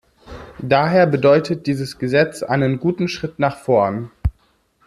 Daher bedeutet dieses Gesetz einen guten Schritt nach vorn.